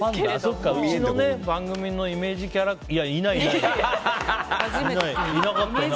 うちの番組のイメージキャラクター。